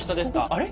あれ？